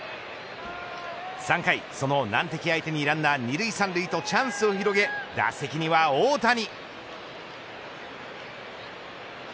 ３回、その難敵を相手にランナー２塁、３塁とチャンスを広げ打席には大谷。